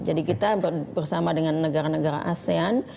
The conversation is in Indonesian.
jadi kita bersama dengan negara negara asean